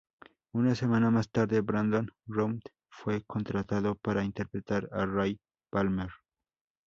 Una semana más tarde, Brandon Routh fue contratado para interpretar a Ray Palmer.